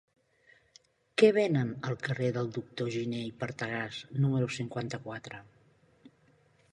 Què venen al carrer del Doctor Giné i Partagàs número cinquanta-quatre?